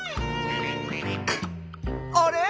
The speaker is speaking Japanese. あれ？